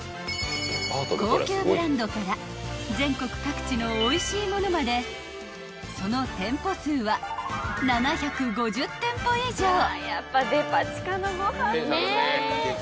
［高級ブランドから全国各地のおいしいものまでその店舗数は７５０店舗以上］